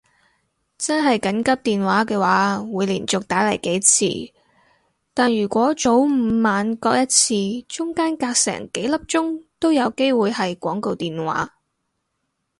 真係緊急電話嘅話會連續打嚟幾次，但如果早午晚各一次中間隔成幾粒鐘都有機會係廣告電話